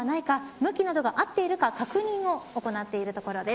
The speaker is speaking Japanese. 向きなどが合っているか確認を行っているところです。